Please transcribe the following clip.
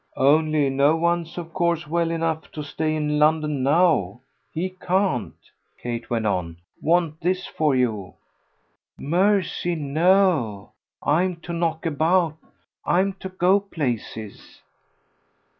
"Only no one's of course well enough to stay in London now. He can't," Kate went on, "want this of you." "Mercy no I'm to knock about. I'm to go to places."